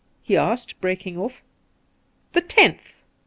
he asked, breaking off. ' The tenth